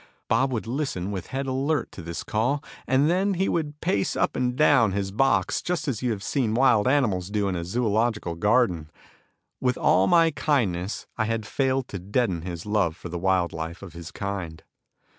Bob would listen with head alert to this call, and then he would pace up and down his box just as you have seen wild animals do in a zoological garden. With all my kindness I had failed to deaden his love for the wild life of his kind.